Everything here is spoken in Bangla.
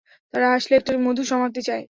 তারা আসলে একটা মধুর সমাপ্তি চায়।